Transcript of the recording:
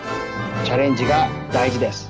チャレンジがだいじです。